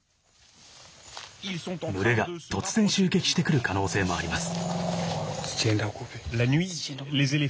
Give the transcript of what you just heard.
群れが突然、襲撃してくる可能性もあります。